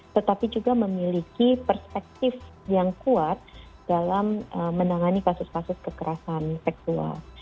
tetapi juga memiliki perspektif yang kuat dalam menangani kasus kasus kekerasan seksual